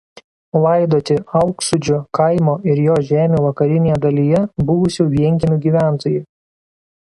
Laidoti Auksūdžio kaimo ir jo žemių vakarinėje dalyje buvusių vienkiemių gyventojai.